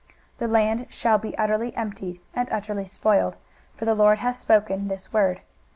23:024:003 The land shall be utterly emptied, and utterly spoiled: for the LORD hath spoken this word.